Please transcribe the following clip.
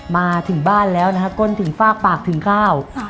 มาถึงบ้านแล้วนะฮะก้นถึงฝากปากถึงข้าว